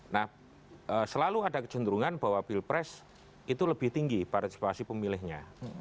nah selalu ada kecenderungan bahwa pilpres itu lebih tinggi partisipasi pemilihnya